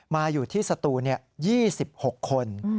มาอยู่ที่สตูน๒๖คน